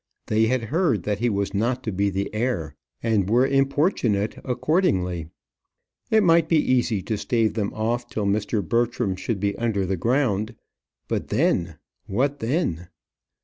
They had heard that he was not to be the heir, and were importunate accordingly. It might be easy to stave them off till Mr. Bertram should be under the ground; but then what then?